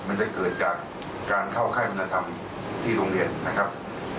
มันจะเกิดจากการเข้าค่ายคุณธรรมที่โรงเรียนนะครับ